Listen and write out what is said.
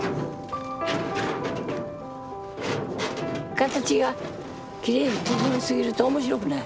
形がきれいに整いすぎると面白くない。